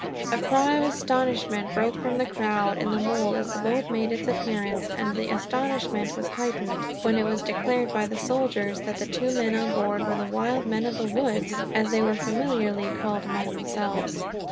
A cry of astonishment broke from the crowd on the mole as the boat made its appearance, and the astonishment was heightened when it was declared, by the soldiers, that the two men on board were the wild men of the wood, as they were familiarly called among themselves.